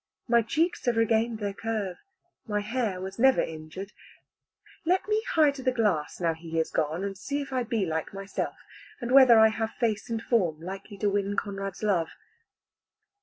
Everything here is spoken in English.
My cheeks have regained their curve, my hair was never injured; let me hie to the glass now he is gone, and see if I be like myself, and whether I have face and form likely to win Conrad's love.